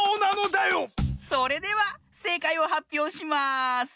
それではせいかいをはっぴょうします。